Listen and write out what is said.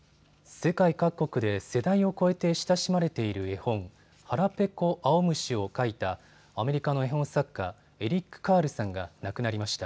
世界各国で世代を超えて親しまれている絵本、はらぺこあおむしを描いたアメリカの絵本作家、エリック・カールさんが亡くなりました。